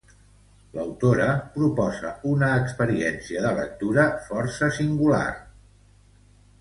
L'autora proposa una experiència de lectura força singular.